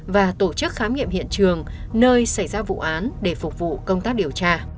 và tổ chức khám nghiệm hiện trường nơi xảy ra vụ án để phục vụ công tác điều tra